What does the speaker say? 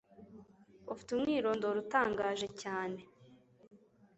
Ufite umwirondoro utangaje cyane.